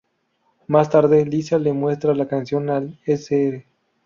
Más tarde, Lisa le muestra la canción al Sr.